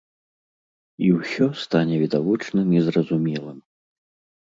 І ўсё стане відавочным і зразумелым.